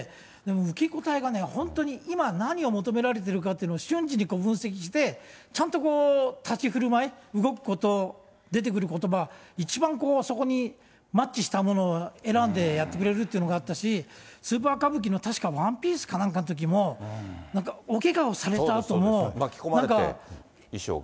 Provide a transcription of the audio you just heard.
受け答えがね、本当に今何を求められてるかっていうのを瞬時に分析して、ちゃんと立ち振る舞い、動くこと、出てくることば、一番そこにマッチしたものを選んでやってくれるっていうのがあったし、スーパー歌舞伎の確かワンピースかなんかのときも、なんか、巻き込まれて、衣装が。